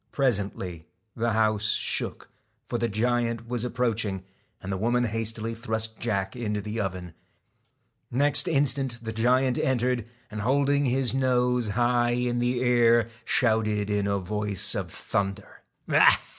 Presently the house shook, for the giant was ap proaching ; and the woman hastily thrust Jack into the oven. Next instant the giant entered, and holding his nose high in the air, shouted in a voice of thunder : 1 Ha !